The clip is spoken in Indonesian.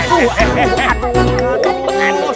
tuh tuh tuh tuh